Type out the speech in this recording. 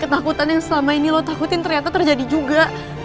ketakutan yang selama ini lo takutin ternyata terjadi juga